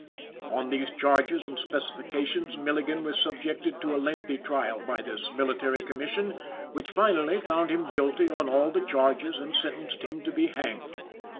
On these charges and specifications, Milligan was subjected to a lengthy trial by this Military Commission which finally found him guilty on all the charges and sentenced him to be hanged.